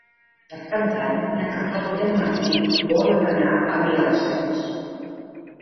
Per Cap d'Any na Carlota i en Martí volen anar a Viladasens.